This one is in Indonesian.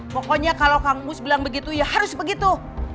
pokoknya kalau kang mus bilang begitu ya harus begitu